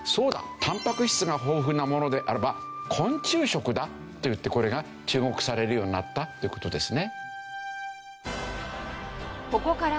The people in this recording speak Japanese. タンパク質が豊富なものであれば昆虫食だといってこれが注目されるようになったという事ですね。